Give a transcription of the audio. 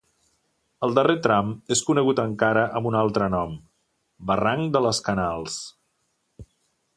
En el darrer tram és conegut encara amb un altre nom: barranc de les Canals.